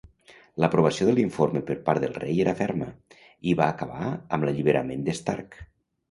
L'aprovació de l'informe per part del rei era ferma, i va acabar amb l'alliberament d'Stark.